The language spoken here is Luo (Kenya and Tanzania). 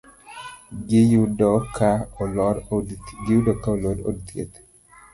Gi yudo ka olor od thieth